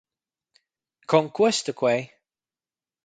Con cuosta quei?